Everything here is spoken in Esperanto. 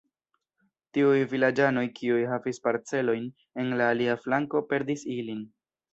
Tiuj vilaĝanoj, kiuj havis parcelojn en la alia flanko, perdis ilin.